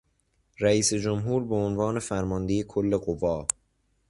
رئیس جمهور به عنوان فرمانده کل قوا